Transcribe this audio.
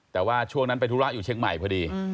แต่ว่าช่วงนั้นไปธุระอยู่เชียงใหม่พอดี